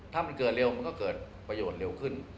ถ้ามันเกิดเร็วมันก็เกิดประโยชน์เร็วขึ้น